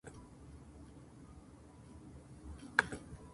遠くの山が見える。